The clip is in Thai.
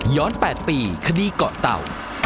๘ปีคดีเกาะเต่า